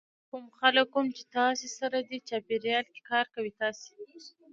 کوم خلک کوم چې تاسې سره دې چاپېریال کې کار کوي تاسې